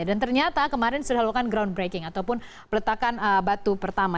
dan ternyata kemarin sudah lakukan groundbreaking ataupun peletakan batu pertama